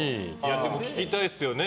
でも聞きたいですよね。